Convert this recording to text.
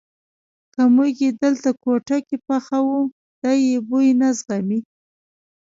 که موږ یې دلته کوټه کې پخو دی یې بوی نه زغمي.